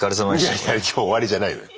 いやいや今日終わりじゃないのよ。